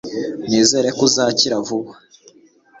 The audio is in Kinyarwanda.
nizere ko uzakira vuba